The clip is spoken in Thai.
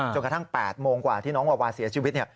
กระทั่ง๘โมงกว่าที่น้องวาวาเสียชีวิต